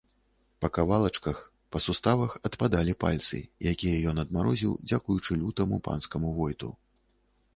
Па кавалачках, па суставах адпадалі пальцы, якія ён адмарозіў дзякуючы лютаму панскаму войту.